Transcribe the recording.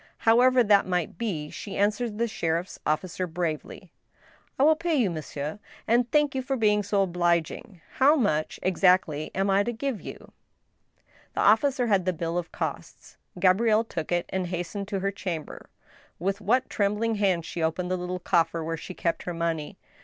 However that might be, she answered the sheriff's officer bravely :" I will pay you, monsieur, and thank you for being so obliging. How much, exactly, am I to give you ?" The officer had the bill of costs. Gabrielle took it, and hastened to her chamber. With what trembling hands she opened the little coffer where she kept her money